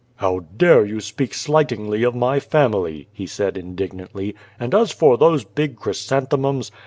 "How dare you speak slightingly of my family !" he said indignantly. " And as for those big chrysanthemums